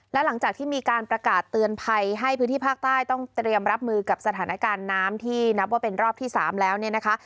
และหลังจากที่มีการประกาศเตือนภัยให้พื้นที่ภาคใต้ต้องเตรียมรับมือกับสถานการณ์น้ำที่นับว่าเป็นรอบที่๓แล้วเนี่ยนะคะ